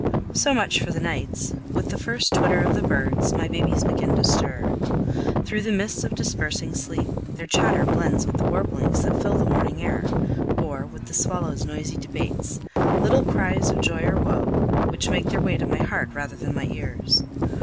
So much for the nights; with the first twitter of the birds my babies begin to stir. Through the mists of dispersing sleep, their chatter blends with the warblings that fill the morning air, or with the swallows' noisy debates little cries of joy or woe, which make their way to my heart rather than my ears.